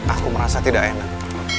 aku merasa tidak enak